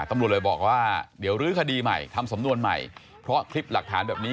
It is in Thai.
ตำรวจเลยบอกว่าเดี๋ยวลื้อคดีใหม่ทำสำนวนใหม่เพราะคลิปหลักฐานแบบนี้